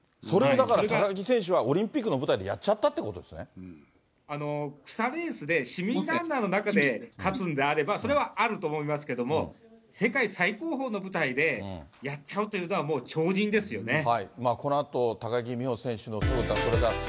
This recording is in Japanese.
それをだから高木選手はオリンピックの舞台でやっちゃったっ草レースで、市民ランナーの中で勝つんであれば、それはあると思いますけども、世界最高峰の舞台でやっちゃうというのは、もう超人ですよね。